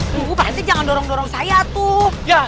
tunggu pak rete jangan dorong dorong saya tuh